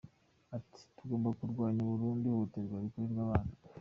Ati “ Tugomba kurwanya burundu ihohoterwa rikorerwa abana.